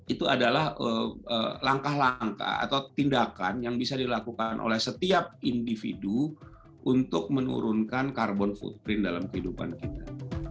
itu adalah langkah langkah atau tindakan yang bisa dilakukan oleh setiap individu untuk menurunkan carbon footprint dalam kehidupan kita